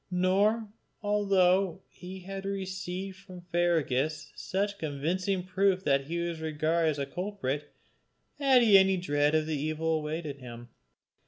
Nor, although he had received from Fergus such convincing proof that he was regarded as a culprit, had he any dread of evil awaiting him.